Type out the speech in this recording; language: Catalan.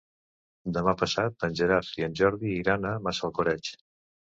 Demà passat en Gerard i en Jordi iran a Massalcoreig.